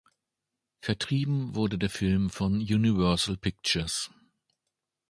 Vertrieben wurde der Film von Universal Pictures.